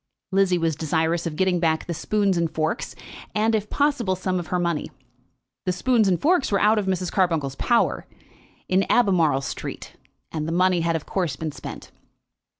Lizzie was desirous of getting back the spoons and forks, and, if possible, some of her money. The spoons and forks were out of Mrs. Carbuncle's power, in Albemarle Street; and the money had of course been spent.